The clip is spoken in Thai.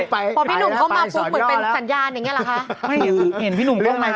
เป็นสัญญาณแบบนี้หรอครับ